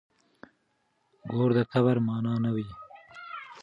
ګور د کبر مانا نه وه.